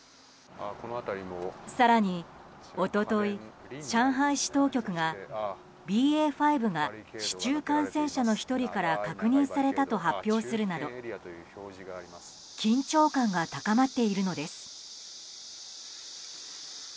更に一昨日、上海市当局がＢＡ．５が市中感染者の１人から確認されたと発表するなど緊張感が高まっているのです。